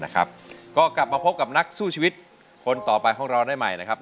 ก็กลับมาพบกับนักสู้ชีวิตคนต่อไปของเราได้ใหม่นะครับ